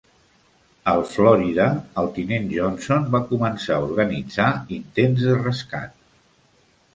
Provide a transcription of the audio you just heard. Al "Florida" el tinent Johnson va començar a organitzar intents de rescat.